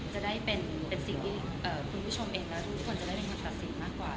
จะได้เป็นสิ่งที่คุณผู้ชมเองและทุกคนจะได้เป็นคนตัดสินมากกว่า